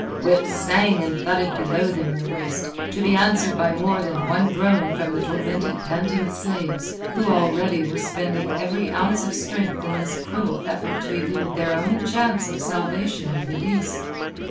Whips sang and thudded below them in the waist, to be answered by more than one groan from the tormented panting slaves, who already were spending every ounce of strength in this cruel effort to elude their own chance of salvation and release.